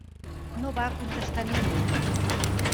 No va contestar ningú.